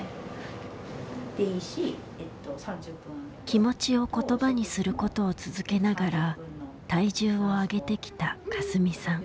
気持ちを言葉にすることを続けながら体重を上げてきたかすみさん。